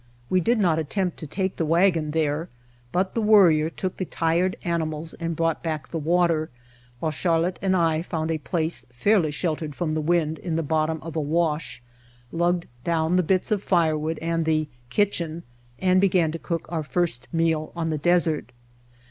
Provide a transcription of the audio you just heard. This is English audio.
We did not attempt to take the wagon there, but the Worrier took the tired animals and brought back the water while Charlotte and I found a place fairly sheltered from the wind in the bot tom of a wash, lugged down the bits of firewood White Heart of Mojave and the "kitchen," and began to cook our first meal on the desert.